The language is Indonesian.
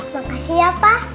makasih ya pa